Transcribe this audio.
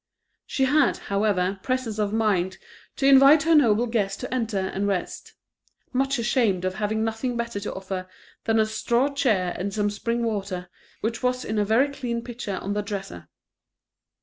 She had, however, presence of mind to invite her noble guest to enter and rest; much ashamed of having nothing better to offer than a straw chair, and some spring water, which was in a very clean pitcher on the dresser.